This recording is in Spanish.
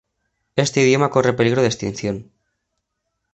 Este idioma corre peligro de extinción.